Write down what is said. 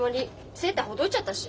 セーターほどいちゃったし。